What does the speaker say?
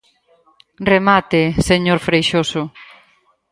Remate, señor Freixoso.